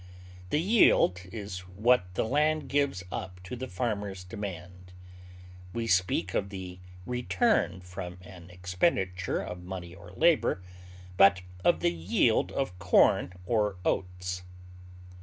The yield is what the land gives up to the farmer's demand; we speak of the return from an expenditure of money or labor, but of the yield of corn or oats.